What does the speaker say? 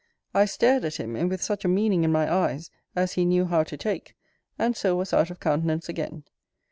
I stared at him, and with such a meaning in my eyes, as he knew how to take; and so was out of countenance again.